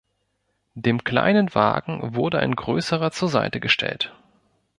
Dem kleinen Wagen wurde ein größerer zur Seite gestellt.